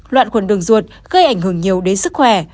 loạn quần đường ruột gây ảnh hưởng nhiều đến sức khỏe